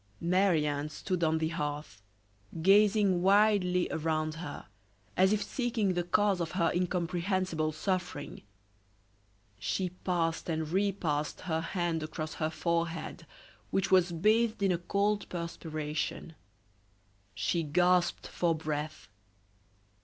Marie Anne stood on the hearth, gazing wildly around her, as if seeking the cause of her incomprehensible suffering. She passed and re passed her hand across her forehead, which was bathed in a cold perspiration; she gasped for breath.